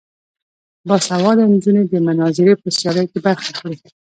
باسواده نجونې د مناظرې په سیالیو کې برخه اخلي.